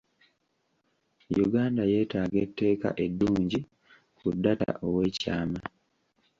Uganda yeetaaga etteeka eddungi ku data ow'ekyama.